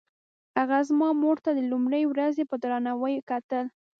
هغه زما مور ته له لومړۍ ورځې په درناوي کتل.